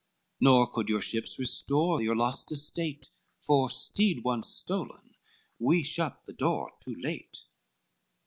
Nor could your ships restore your lost estate: For steed once stolen, we shut the door too late.